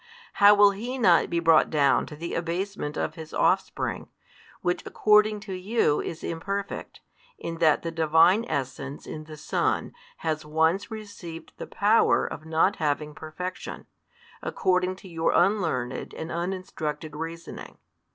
how will He not be brought down to the abasement of His Offspring, which according to you is imperfect, in that the Divine Essence in the Son has once received the power of not having Perfection, according to your unlearned and uninstructed reasoning?